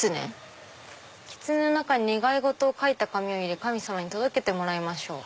「狐の中に願い事を書いた紙を入れ神様に届けてもらいましょう」。